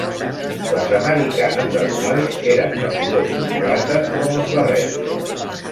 Les americanes dels nois eren de color xocolata, com els barrets.